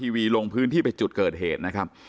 วีลงพื้นที่ไปจุดเกิดเหตุนะครับ